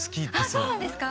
あそうなんですか？